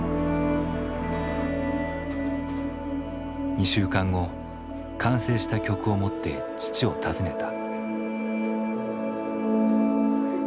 ２週間後完成した曲を持って父を訪ねた。